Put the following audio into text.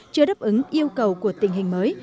chưa đáp ứng yêu cầu của tình hình mới